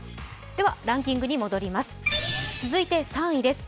ランキングに戻ります。